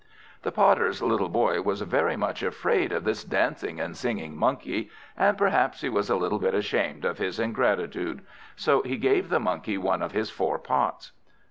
The Potter's little Boy was very much afraid of this dancing and singing Monkey, and perhaps he was a little bit ashamed of his ingratitude; so he gave the Monkey one of his four pots.